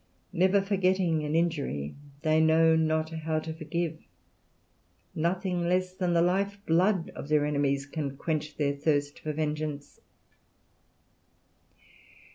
Never forgetting an injury, they know not how to forgive; nothing less than the life blood of their enemies can quench their thirst for vengeance."